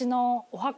お！